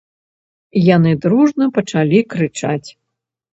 Яны дружна пачалі крычаць.